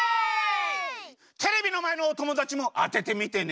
テレビのまえのおともだちもあててみてね！